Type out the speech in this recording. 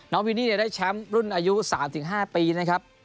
น้องวินนี่ได้แชมป์รุ่นอายุ๓๕ปี